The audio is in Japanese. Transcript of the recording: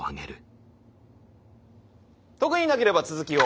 特になければ続きを。